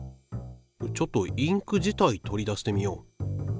ちょっとインク自体取り出してみよう。